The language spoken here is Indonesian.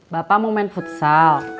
bapak mau main futsal